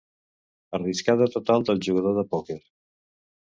Arriscada total del jugador de pòquer.